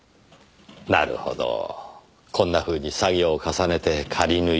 なるほどこんなふうに作業を重ねて仮縫い